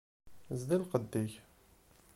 Zdi lqedd-ik!